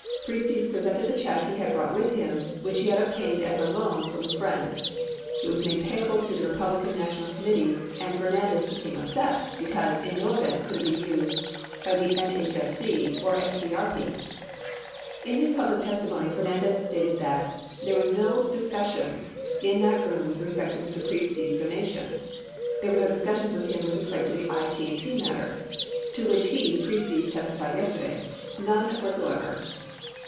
Priestes presented the check he had brought with him, which he had obtained as a loan from a friend. It was made payable to the Republican National Committee and Fernandez became upset, because, in no event, could it be used by the NHFC or FCRP. 83 In his public testimony, Fernandez stated that: "There were no discussions in that room with respect to Mr. Priestes' donation. There were no discussions with him with respect to the I.T. & T. matter, to which he (Priestes) testified yesterday. None whatsoever."